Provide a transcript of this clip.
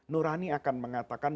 nurani akan mengatakan